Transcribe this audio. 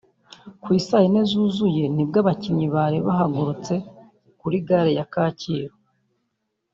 Ku i saa yine zuzuye ni bwo abakinnyi bari bahagurutse kuri gare ya Kacyiru